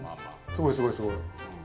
すごいすごいすごい！